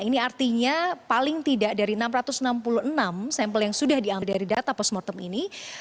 ini artinya paling tidak dari enam ratus enam puluh enam sampel yang sudah diambil dari data postmortem ini